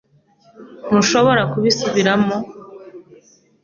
Ntushobora kubisubiramo?